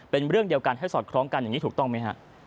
เป็นเรื่องเดียวกันให้สอดคล้องกันอย่างนี้ถูกต้องไหมฮะ